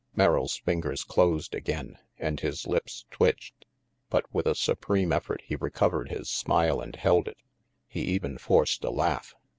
Merrill's fingers closed again, and his lips twitched. But with a supreme effort he recovered his smile and held it. He even forced a laugh.